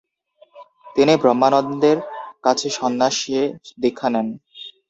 তিনি ব্রহ্মানন্দের কাছে সন্ন্যাসে দীক্ষা নেন।